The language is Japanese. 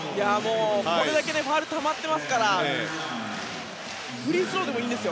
これだけファウルがたまってますからフリースローでもいいんです。